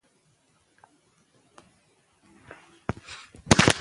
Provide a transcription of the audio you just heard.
واوره د افغانستان د طبیعت برخه ده.